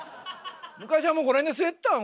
昔はもうこの辺で吸えてたよ